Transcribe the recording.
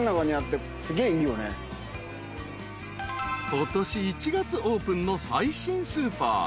［ことし１月オープンの最新スーパー］